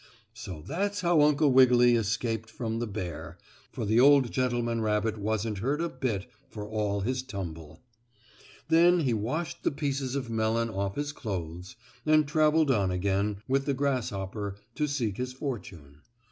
So that's how Uncle Wiggily escaped from the bear, for the old gentleman rabbit wasn't hurt a bit for all his tumble. Then he washed the pieces of melon off his clothes, and traveled on again, with the grasshopper, to seek his fortune.